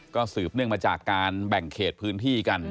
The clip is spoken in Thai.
ก็สืบเนื่องมาจากการแบ่งเขตพื้นที่กัน